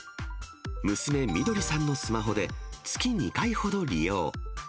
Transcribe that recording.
娘、みどりさんのスマホで、月２回ほど利用。